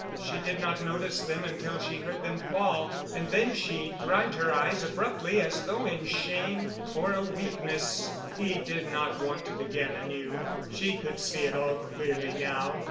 She did not notice them until she heard them fall, and then she dried her eyes abruptly as though in shame for a weakness. He did not want to begin anew. She could see it all clearly now.